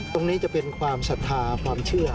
ตรงนี้จะเป็นความศรัทธาความเชื่อ